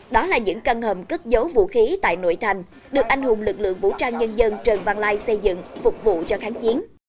đó là những căn hầm cất dấu vũ khí tại nội thành được anh hùng lực lượng vũ trang nhân dân trần văn lai xây dựng phục vụ cho kháng chiến